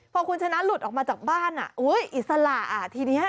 พอคุณชนะหลุดออกมาจากบ้านอิสระทีนี้